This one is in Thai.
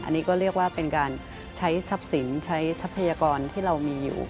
อันนี้ก็เรียกว่าเป็นการใช้ทรัพยากรที่เรามีอยู่